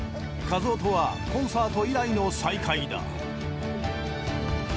一夫とはコンサート以来の再会だ。